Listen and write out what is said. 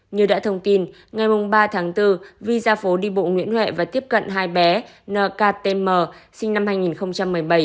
như đã thông tin ngày ba tháng bốn vi ra phố đi bộ nguyễn huệ và tiếp cận hai bé ktm sinh năm hai nghìn một mươi bảy